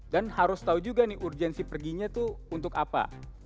dan harus tahu juga nih urgensi perginya tuh untuk apa